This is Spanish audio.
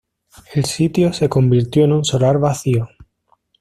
El sitio se convirtió en un solar vacío.